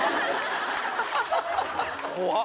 怖っ。